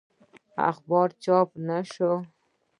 اخبار چاپ نه شو.